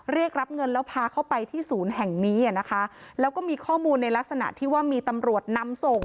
เรียกรับเงินแล้วพาเข้าไปที่ศูนย์แห่งนี้อ่ะนะคะแล้วก็มีข้อมูลในลักษณะที่ว่ามีตำรวจนำส่ง